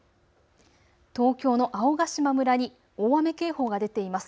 東京の青ヶ島村に大雨警報が出ています。